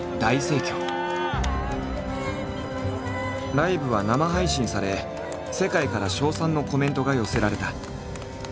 ライブは生配信され世界から称賛のコメントが寄せられた。